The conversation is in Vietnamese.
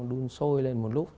đun sôi lên một lúc